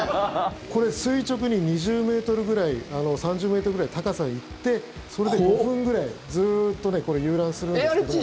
これ垂直に２０ｍくらい３０ｍくらい高さ行ってそれで５分くらいずっと遊覧するんですけども。